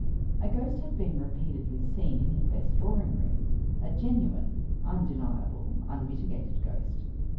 A ghost had been repeatedly seen in his best drawing room! a genuine, undeniable, unmitigated ghost!